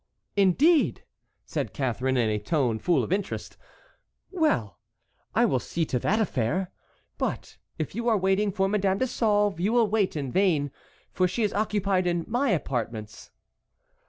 "Indeed!" said Catharine, in a tone full of interest; "well, I will see to that affair. But if you are waiting for Madame de Sauve you will wait in vain, for she is occupied in my apartments."